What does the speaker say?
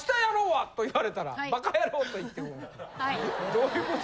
どういうこと？